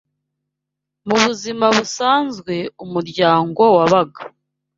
Mu buzima busanzwe, umuryango wabaga